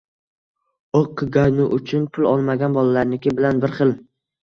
o‘qigani uchun pul olmagan bolalarniki bilan bir xil.